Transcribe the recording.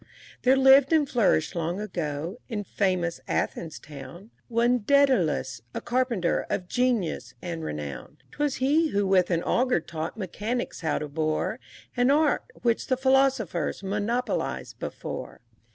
II There lived and flourished long ago, in famous Athens town, One Dædalus, a carpenter of genius and renown; ('Twas he who with an auger taught mechanics how to bore, An art which the philosophers monopolized before.)